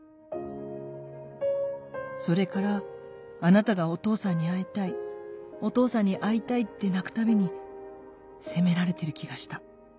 「それからあなたが『お父さんに会いたいお父さんに会いたい』って泣くたびに責められてる気がした。